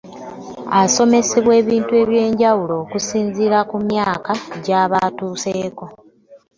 Asomesebwa ebintu eby’enjawulo okusinziira ku myaka gy’aba atuuseeko.